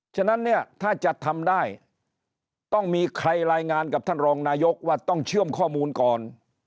ฉะนั้นเนี่ยถ้าจะทำได้ต้องมีใครรายงานกับท่านรองนายกว่าต้องเชื่อมข้อมูลก่อน